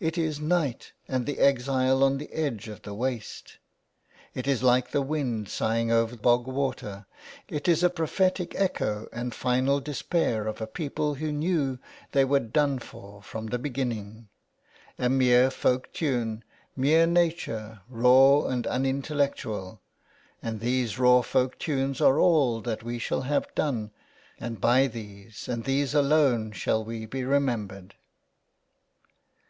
It is night, and the exile on the edge of the waste. It is like the wind sighing over bog water. It is a prophetic echo and final despair of a people who knew they were done for from the beginning. A mere folk tune, mere nature, raw and unintellectual ; and these raw folk tunes are all that we shall have done : and by these, and these alone, shall we be remembered."